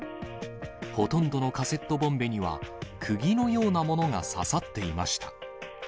ほとんどのカセットボンベには、くぎのようなものが刺さっていました。